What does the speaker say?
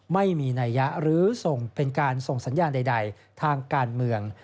ไม่มีนัยยะหรือส่งเป็นการส่งสัญญาณใดทางการเมือง